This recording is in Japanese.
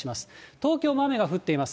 東京も雨が降っています。